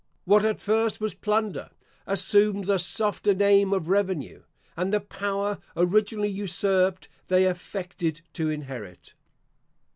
What at first was plunder, assumed the softer name of revenue; and the power originally usurped, they affected to inherit.